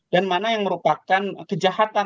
dan mana yang merupakan kejahatan